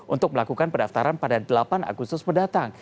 untuk melakukan pendaftaran pada delapan agustus mendatang